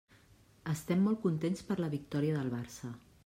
Estem molt contents per la victòria del Barça.